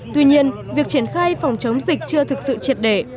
tuy nhiên việc triển khai phòng chống dịch chưa thực sự triệt để